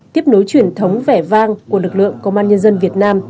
tiếp nối truyền thống vẻ vang của lực lượng công an nhân dân việt nam